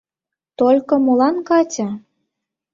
Только молан Катя...